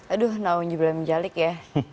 aduh nah unji boleh menjalik ya